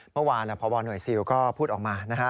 เมื่อวานพบหน่วยซิลก็พูดออกมานะฮะ